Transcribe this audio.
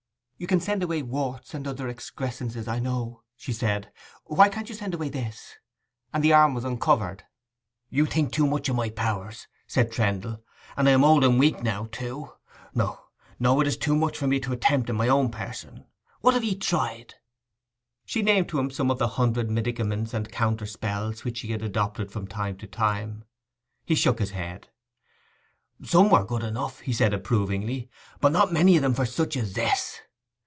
'You can send away warts and other excrescences I know,' she said; 'why can't you send away this?' And the arm was uncovered. 'You think too much of my powers!' said Trendle; 'and I am old and weak now, too. No, no; it is too much for me to attempt in my own person. What have ye tried?' She named to him some of the hundred medicaments and counterspells which she had adopted from time to time. He shook his head. 'Some were good enough,' he said approvingly; 'but not many of them for such as this.